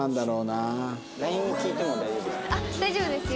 あっ大丈夫ですよ。